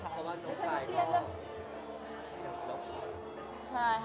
เขาบรรยากาศต้องเครียดเรื่องครอบครัวเหรอคะ